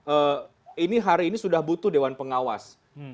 eh ini hari ini sudah butuh dewan pengawas